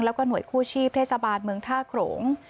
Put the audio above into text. แล้วก็หน่วยกู้ชีพเทศบาลเมืองท่าโขลง